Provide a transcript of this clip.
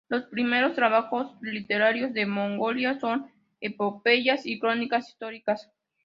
Los primeros trabajos literarios de Mongolia son epopeyas y crónicas históricas.